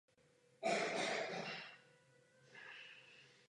Kromě návštěvníků se pod zemí nenachází žádný jiný člověk.